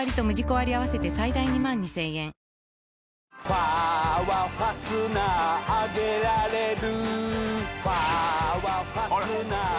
「ファはファスナー上げられる」